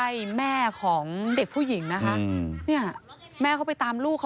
ไอ้แม่ได้เอาแม่ได้เอาแม่